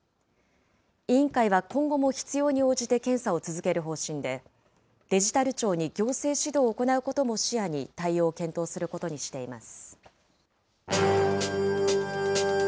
委員会は今後も必要に応じて検査を続ける方針で、デジタル庁に行政指導を行うことも視野に、対応を検討することにしています。